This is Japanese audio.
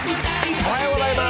おはようございます。